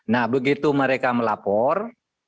nah begitu mereka melapor